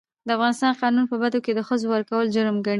د افغانستان قانون په بدو کي د ښځو ورکول جرم ګڼي.